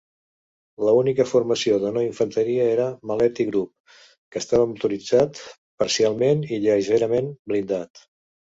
La única formació de no-infanteria era Maletti Group, que estava motoritzat parcialment i lleugerament blindat.